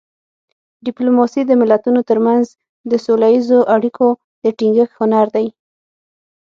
ډیپلوماسي د ملتونو ترمنځ د سوله اییزو اړیکو د ټینګښت هنر دی